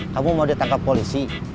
kamu mau ditangkap polisi